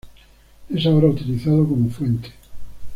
Es ahora utilizado como fuente.